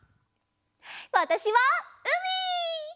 わたしはうみ！